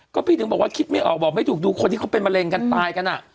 ก็พี่ถึงบอกว่าคิดไม่ออกบอกไม่ถูกดูคนที่เขาเป็นมะเร็งกันตายกันอ่ะ